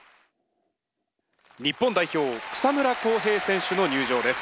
日本代表草村航平選手の入場です。